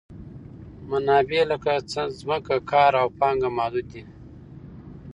منابع لکه ځمکه، کار او پانګه محدود دي.